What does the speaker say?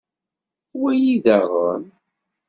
Wali daɣen.